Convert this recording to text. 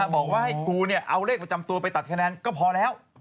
บอกว่าให้ครูเอาเลขประจำตัวไปตัดคะแนนก็พอแล้ว